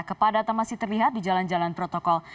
kepada teman masih terlihat di jalan jalan protokol